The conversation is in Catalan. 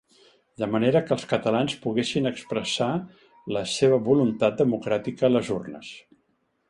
De manera que els catalans poguessin expressar la seva voluntat democràtica a les urnes.